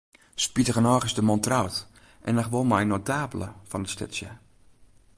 Spitigernôch is de man troud, en noch wol mei in notabele fan it stedsje.